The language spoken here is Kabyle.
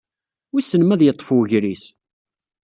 Wissen ma ad yeṭṭef wegris?